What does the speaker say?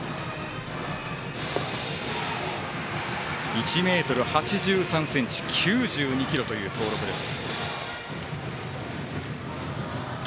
１ｍ８３ｃｍ９２ｋｇという登録です。